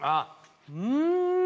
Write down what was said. うん！